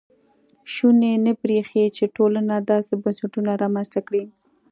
شونې نه برېښي چې ټولنه داسې بنسټونه رامنځته کړي.